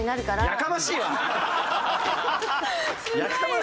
やかましいわ！